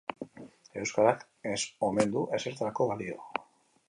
Euskarak ez omen du ezertarako balio.